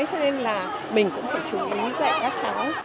cho nên là mình cũng phải chú ý dạy các cháu